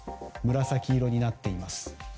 紫色になっています。